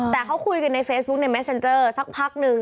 แต่เขาคุยกันในเฟซบุ๊คในแมสเซ็นเจอร์สักพักนึง